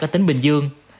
ở tỉnh bình dương